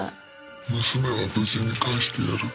「娘は無事に返してやる」